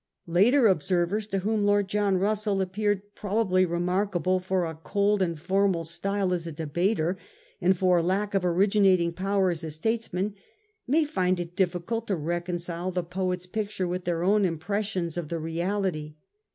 Later observers, to whom Lord John Russell appeared probably remark able for a cold and formal style as a debater, and for lack of originating power as a statesman, may find it difficult to reconcile the poet's picture with their own impressions of the reality.